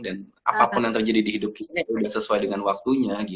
dan apapun yang terjadi di hidup kita udah sesuai dengan waktunya gitu